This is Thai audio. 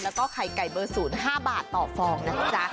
แล้วก็ไข่ไก่เบอร์ศูนย์ห้าบาทต่อฟองนะจ๊ะ